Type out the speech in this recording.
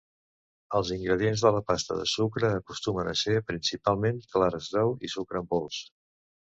Els ingredients de la pasta de sucre acostumen a ser principalment clares d'ou i sucre en pols.